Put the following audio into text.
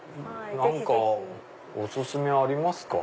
何かお薦めありますか？